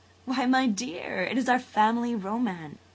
"Why, my dear, it is our family romance.